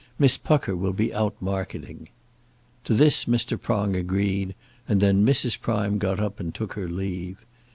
Miss Pucker will be out marketing." To this Mr. Prong agreed, and then Mrs. Prime got up and took her leave.